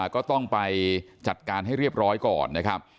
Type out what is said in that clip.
ก็ต้องไปจัดการให้เรียบร้อยก่อนนะครับ